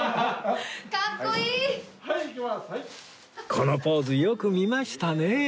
このポーズよく見ましたね